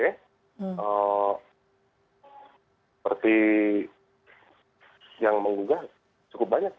seperti yang menggugah cukup banyak